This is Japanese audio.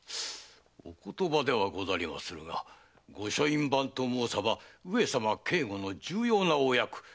お言葉ではござりまするが御書院番と申さば上様警護の重要なお役目。